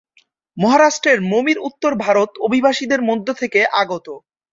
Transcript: মহারাষ্ট্রের মমিন উত্তর ভারত অভিবাসীদের মধ্য থেকে আগত।